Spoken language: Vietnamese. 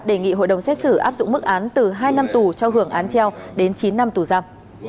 đề nghị hội đồng xét xử áp dụng mức án từ hai năm tù cho hưởng án treo đến chín năm tù giam